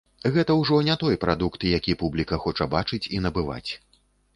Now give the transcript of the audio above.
Гэта ўжо не той прадукт, які публіка хоча бачыць і набываць.